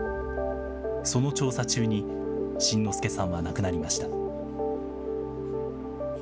その調査中に、辰乃輔さんは亡くなりました。